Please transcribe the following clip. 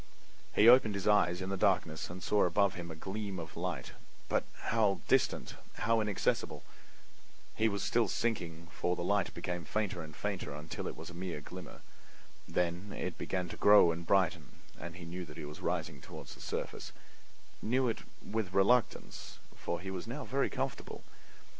He opened his eyes in the darkness and saw above him a gleam of light, but how distant, how inaccessible! He was still sinking, for the light became fainter and fainter until it was a mere glimmer. Then it began to grow and brighten, and he knew that he was rising toward the surface—knew it with reluctance, for he was now very comfortable.